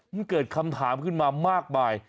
มันเกิดคำถามขึ้นมามากมาย